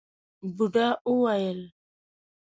بوډا وويل: